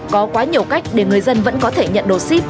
có quá nhiều cách để người dân vẫn có thể nhận đồ ship